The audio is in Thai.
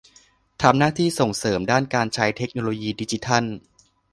ทำหน้าที่ส่งเสริมด้านการใช้เทคโนโลยีดิจิทัล